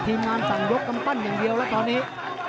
ทีมงานสั่งยกกำปั้นอย่างเดียวแล้วตอนนี้